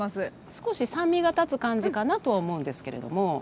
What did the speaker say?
少し酸味が立つ感じかなとは思うんですけれども。